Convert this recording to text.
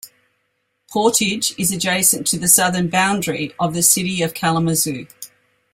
Portage is adjacent to the southern boundary of the City of Kalamazoo.